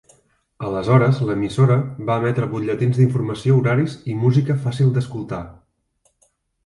Aleshores, l'emissora va emetre butlletins d'informació horaris i música fàcil d'escoltar.